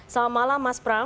selamat malam mas pram